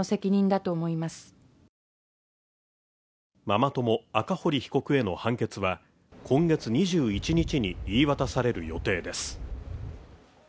ママ友、赤堀被告への判決は今月２１日に言い渡される予定です。